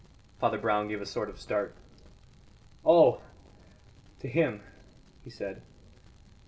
Father Brown gave a sort of start. "Oh! to him," he said.